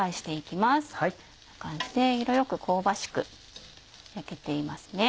こんな感じで色よく香ばしく焼けていますね。